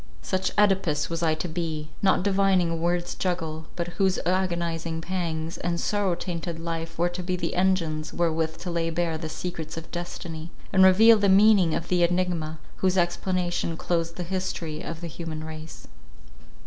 Such Œdipus was I to be—not divining a word's juggle, but whose agonizing pangs, and sorrow tainted life were to be the engines, wherewith to lay bare the secrets of destiny, and reveal the meaning of the enigma, whose explanation closed the history of the human race.